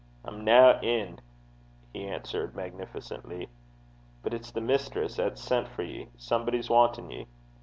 'I'm nae in,' he answered, magnificently. 'But it's the mistress 'at's sent for ye. Somebody's wantin' ye.'